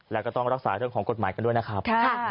แล้วก็ต้องรักษาเรื่องของกฎหมายกันด้วยนะครับ